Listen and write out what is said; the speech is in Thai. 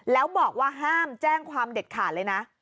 แล้วบอกว่าห้ามแจ้งความเด็ดขาดเลยนะ